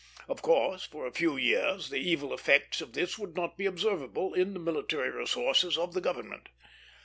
Of course, for a few years the evil effects of this would not be observable in the military resources of the government.